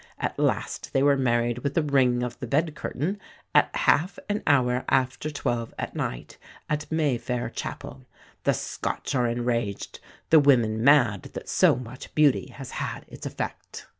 At last they were married with the ring of the bed curtain, at half an hour after twelve at night, at Mayfair Chapel. The Scotch are enraged, the women mad that so much beauty has had its effect."